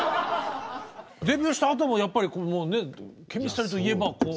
デビューしたあともやっぱりＣＨＥＭＩＳＴＲＹといえばこう。